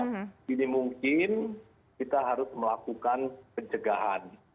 sedini mungkin kita harus melakukan pencegahan